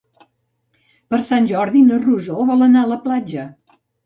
Per Sant Jordi na Rosó vol anar a la platja.